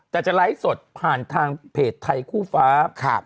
แต่จะไลฟ์สดผ่านทางเพจไทยคู่ฟ้า